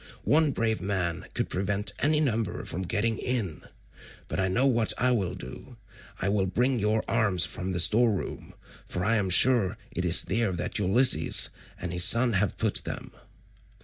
One brave man could prevent any number from getting in. But I know what I will do, I will bring you arms from the store room, for I am sure it is there that Ulysses and his son have put them."